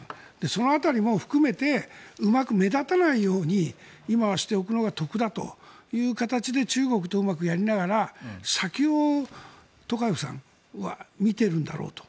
その辺りも含めてうまく目立たないように今はしておくのが得だという形で中国とうまくやりながら先をトカエフさんは見てるんだろうと。